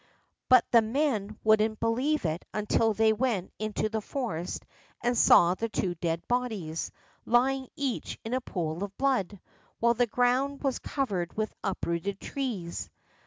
But the men wouldn't believe it until they went into the forest and saw the two dead bodies, lying each in a pool of blood, while the ground was covered with uprooted trees.